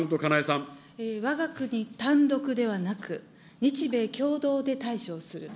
わが国単独ではなく、日米きょうどうで対処をすると。